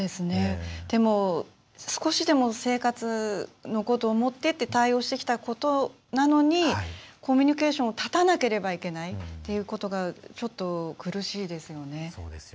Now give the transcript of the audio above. でも、少しでも生活のことを思ってと対応してきたことなのにコミュニケーションを絶たなければならないってことが苦しいですよね。